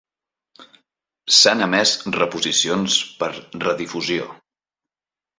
S'han emès reposicions per redifusió.